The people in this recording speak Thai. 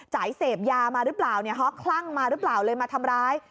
เสพยามาหรือเปล่าเนี่ยฮะคลั่งมาหรือเปล่าเลยมาทำร้าย